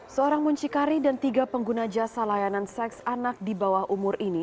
seorang muncikari dan tiga pengguna jasa layanan seks anak di bawah umur ini